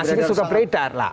informasinya suka beredar lah